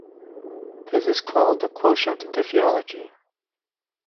This is called the quotient diffeology.